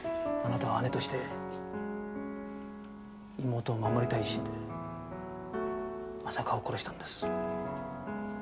あなたは姉として妹を守りたい一心で浅川を殺したんです。